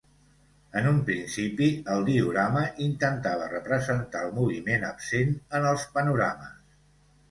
En un principi el diorama intentava representar el moviment absent en els panorames.